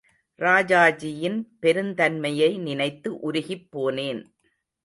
ராஜாஜியின் பெருந்தன்மையை நினைத்து உருகிப் போனேன்.